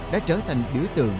đã trở thành biểu tượng